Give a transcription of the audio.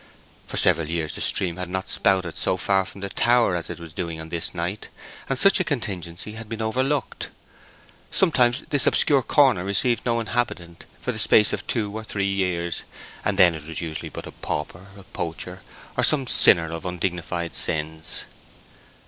For several years the stream had not spouted so far from the tower as it was doing on this night, and such a contingency had been over looked. Sometimes this obscure corner received no inhabitant for the space of two or three years, and then it was usually but a pauper, a poacher, or other sinner of undignified sins.